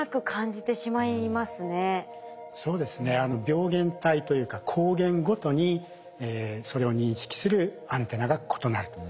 病原体というか抗原ごとにそれを認識するアンテナが異なると。